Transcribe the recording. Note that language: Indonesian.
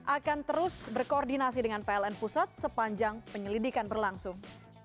akan terus berkoordinasi dengan pln pusat sepanjang penyelidikan berlangsung